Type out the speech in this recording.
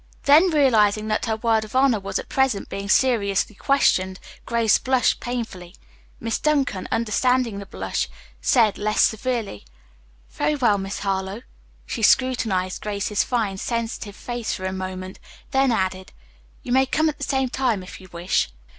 Then, realizing that her word of honor was at present being seriously questioned, Grace blushed painfully. Miss Duncan, understanding the blush, said less severely, "Very well, Miss Harlowe." She scrutinized Grace's fine, sensitive face for a moment, then added, "You may come at the same time if you wish."